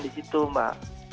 ditambahkan di situ mbak